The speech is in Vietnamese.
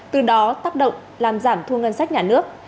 từ đó tác động làm giảm thu ngân sách nhà nước